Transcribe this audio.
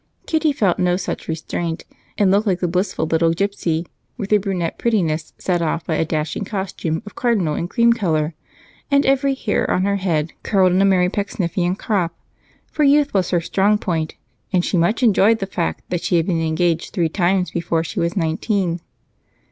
Kitty felt no such restraint, and looked like a blissful little gypsy, with her brunet prettiness set off by a dashing costume of cardinal and cream color and every hair on her head curled in a Merry Pecksniffian crop, for youth was her strong point, and she much enjoyed the fact that she had been engaged three times before she was nineteen.